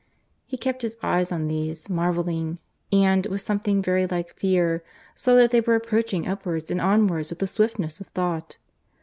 He kept his eyes on these, marvelling; and, with something very like fear, saw that they were approaching upwards and onwards with the swiftness of thought.